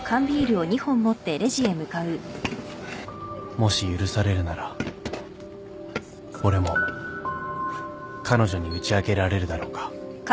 もし許されるなら俺も彼女に打ち明けられるだろうか